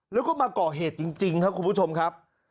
แล้วก็มาก่อเหตุจริงครับคุณผู้ชมครับ